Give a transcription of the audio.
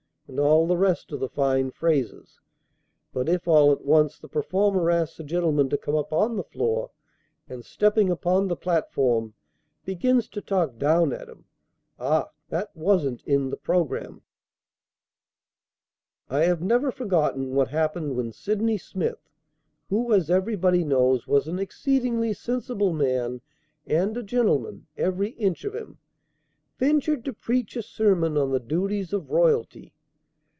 and all the rest of the fine phrases. But if all at once the performer asks the gentleman to come upon the floor, and, stepping upon the platform, begins to talk down at him, ah, that wasn't in the program! I have never forgotten what happened when Sydney Smith who, as everybody knows, was an exceedingly sensible man, and a gentleman, every inch of him ventured to preach a sermon on the Duties of Royalty.